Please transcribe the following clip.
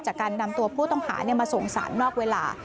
จากการนำตัวผู้ต้องหามาส่งสารนอกเวลา